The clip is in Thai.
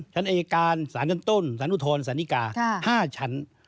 ชั้นอายการศาลชั้นต้นสารอุทธรสารนิกา๕ชั้น